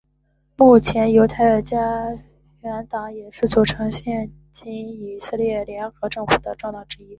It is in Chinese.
目前犹太家园党也是组成现今以色列联合政府的政党之一。